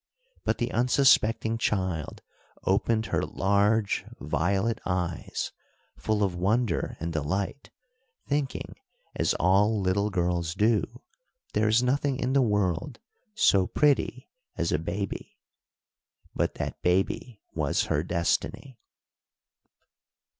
But the unsuspecting child opened her large violet eyes full of wonder and delight, thinking, as all little girls do, there is nothing in the world so pretty as a baby. But that baby was her destiny.